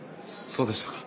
そうでしたか。